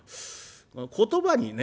言葉にね